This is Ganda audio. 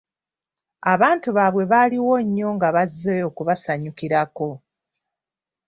Abantu baabwe baaliwo nnyo nga bazze okubasanyukirako.